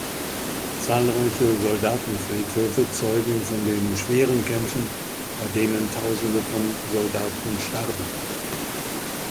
Zahlreiche Soldatenfriedhöfe zeugen von den schweren Kämpfen, bei denen Tausende von Soldaten starben.